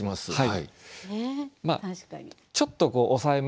はい。